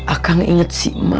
akang inget si emak